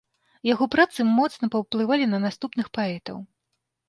Яго працы моцна паўплывалі на наступных паэтаў.